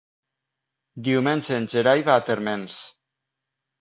Diumenge en Gerai va a Térmens.